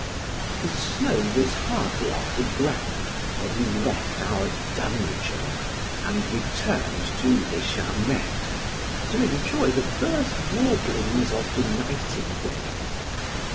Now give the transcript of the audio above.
The snow was hardly off the ground when we left our dungeon and returned to Charmettes, to enjoy the first warblings of the nightingale.